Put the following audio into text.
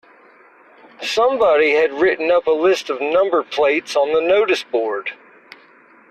Somebody had written up a list of number plates on the noticeboard